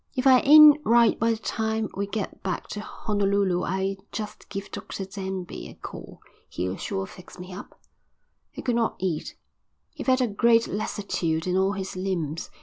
"If I ain't right by the time we get back to Honolulu I'll just give Dr Denby a call. He'll sure fix me up." He could not eat. He felt a great lassitude in all his limbs.